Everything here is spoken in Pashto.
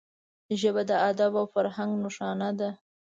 ژبه د ادب او فرهنګ نښانه ده